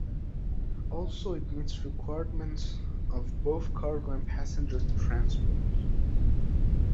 Also, it meets requirements of both cargo and passenger transport.